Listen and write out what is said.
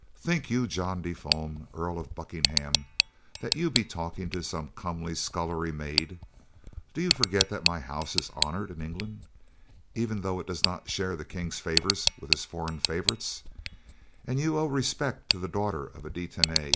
"Think you, John de Fulm, Earl of Buckingham, that you be talking to some comely scullery maid? Do you forget that my house is honored in England, even though it does not share the King's favors with his foreign favorites, and you owe respect to a daughter of a De Tany?"